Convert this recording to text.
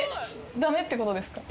駄目ってことですか？